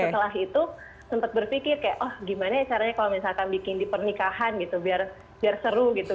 setelah itu sempat berpikir kayak oh gimana caranya kalau misalkan bikin di pernikahan gitu biar seru gitu